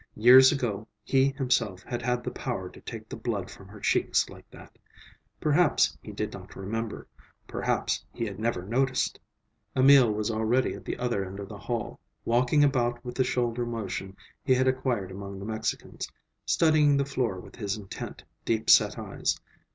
Years ago, he himself had had the power to take the blood from her cheeks like that. Perhaps he did not remember—perhaps he had never noticed! Emil was already at the other end of the hall, walking about with the shoulder motion he had acquired among the Mexicans, studying the floor with his intent, deep set eyes.